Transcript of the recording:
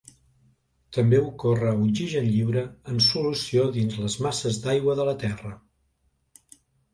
També ocorre oxigen lliure en solució dins les masses d'aigua de la Terra.